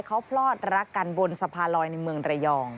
เขาพลอดรักกันบนสะพานลอยในเมืองระยอง